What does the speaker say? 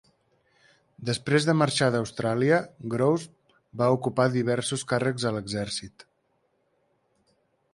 Després de marxar d'Austràlia Grose va ocupar diversos càrrecs a l'exèrcit.